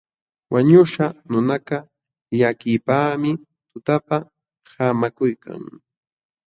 Wañuśhqa nunakaq llakiypaqmi tutapa haamakuykan.